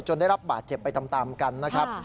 ได้รับบาดเจ็บไปตามกันนะครับ